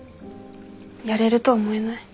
やれると思えない。